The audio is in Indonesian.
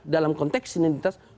dalam konteks identitas